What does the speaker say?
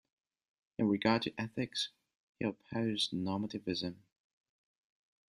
In regard to ethics, he opposed normativism.